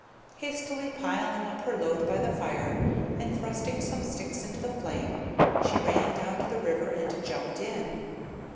Hastily piling up her load by the fire, and thrusting some sticks into the flame, she ran down to the river and jumped in.